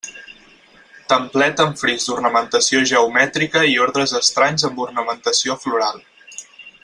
Templet amb fris d'ornamentació geomètrica i ordres estranys amb ornamentació floral.